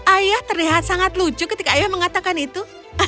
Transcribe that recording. ayah terlihat sangat lucu ketika ayah mengatakan itu